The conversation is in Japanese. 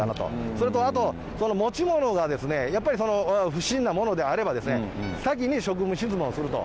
それと、持ち物がやっぱり不審なものであれば、先に職務質問すると。